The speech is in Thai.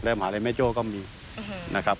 เริ่มหารย์แม้โจ๊ก็มีนะครับค่ะ